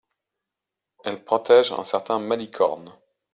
Elle protège un certain Malicorne.